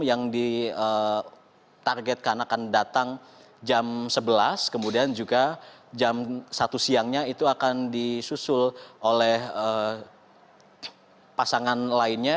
yang ditargetkan akan datang jam sebelas kemudian juga jam satu siangnya itu akan disusul oleh pasangan lainnya